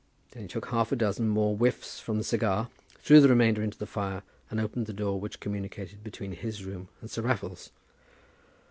Then he took half a dozen more whiffs from the cigar, threw the remainder into the fire, and opened the door which communicated between his room and Sir Raffle's.